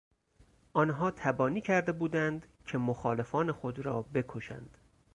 آنها تبانی کرده بودند که مخالفان خود را بکشند.